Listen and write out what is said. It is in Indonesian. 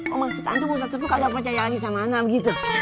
oh maksud aneh usah sepuh gak percaya lagi sama aneh gitu